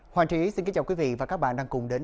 hoàng trí xin kính chào quý vị và các bạn đang cùng đến